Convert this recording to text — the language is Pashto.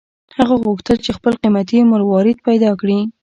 هغه غوښتل چې خپل قیمتي مروارید پیدا کړي.